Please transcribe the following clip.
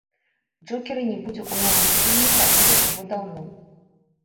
Джокера не будзе ў новым фільме хадзілі ўжо даўно.